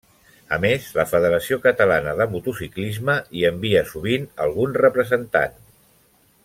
A més la Federació Catalana de Motociclisme hi envia sovint algun representant.